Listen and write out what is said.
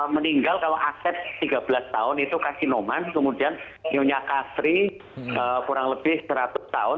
meninggal kalau aset tiga belas tahun itu kasinoman kemudian nyonya kastri kurang lebih seratus tahun